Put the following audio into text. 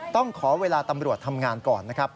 ต้องขอเวลาตำรวจทำงานก่อนนะครับ